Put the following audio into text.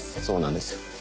そうなんですよ。